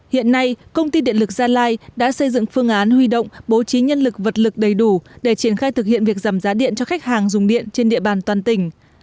hiện nay công ty điện lực gia lai đã xây dựng phương án huy động bố trí nhân lực vật lực đầy đủ để triển khai thực hiện việc giảm giá điện cho khách hàng dùng điện trên địa bàn toàn tỉnh